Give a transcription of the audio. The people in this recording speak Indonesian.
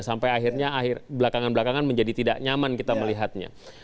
sampai akhirnya belakangan belakangan menjadi tidak nyaman kita melihatnya